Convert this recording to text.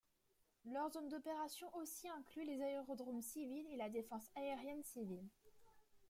Leurs zones d'opérations aussi incluent les aérodromes civils et la défense aérienne civile.